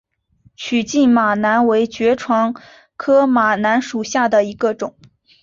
曲茎马蓝为爵床科马蓝属下的一个种。